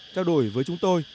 trao đổi với chúng tôi